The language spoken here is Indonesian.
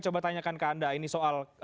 coba tanyakan ke anda ini soal